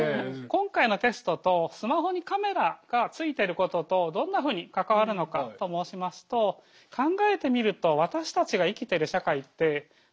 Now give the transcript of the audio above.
今回のテストとスマホにカメラが付いてることとどんなふうに関わるのかと申しますと考えてみるとはい。